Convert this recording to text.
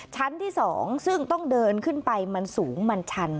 ชั้นที่๒ซึ่งต้องเดินขึ้นไปมันสูงมันชัน